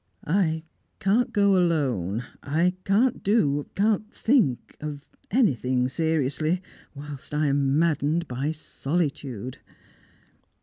"I can't go alone. I can't do can't think of anything seriously, whilst I am maddened by solitude!"